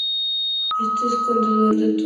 este es conocedor de todo lo que pasa